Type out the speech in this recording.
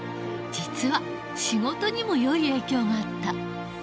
実は仕事にも良い影響があった。